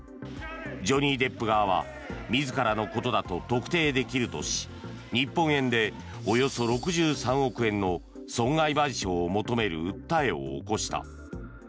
ジョニー・デップ側は自らのことだと特定できるとし日本円でおよそ６３億円の損害賠償を求める訴えを起こした。